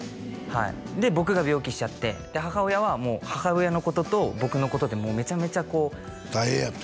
はい僕が病気しちゃって母親はもう母親のことと僕のことでめちゃめちゃこう大変やった？